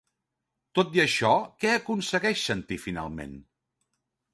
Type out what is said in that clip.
Tot i això, què aconsegueix sentir finalment?